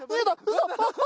嘘！？